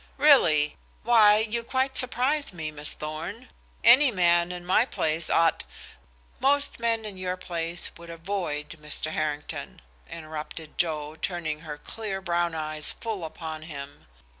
"Really? Why, you quite surprise me, Miss Thorn. Any man in my place ought" "Most men in your place would avoid Mr. Harrington," interrupted Joe, turning her clear brown eyes full upon him.